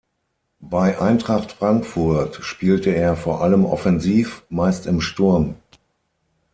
Bei Eintracht Frankfurt spielte er vor allem offensiv, meist im Sturm.